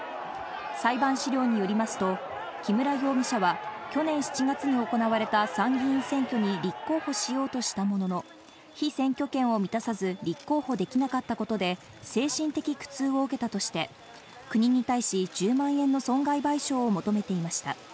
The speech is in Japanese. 裁判資料によりますと木村容疑者は去年７月に行われた参議院選挙に立候補しようとしたものの、被選挙権を満たさず立候補できなかったことで精神的苦痛を受けたとして、国に対し１０万円の損害賠償を求めていました。